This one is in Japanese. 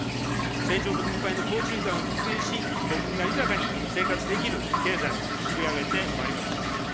成長と分配の好循環を実現し、国民が豊かに生活できる経済をつくりあげてまいります。